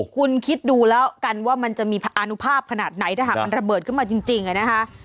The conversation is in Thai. คุณคิดดูแล้วกันว่ามันจะมีอานุภาพขนาดไหนถ้าหากมันระเบิดขึ้นมาจริงนะคะ